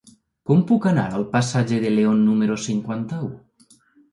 Com puc anar al passatge de León número cinquanta-u?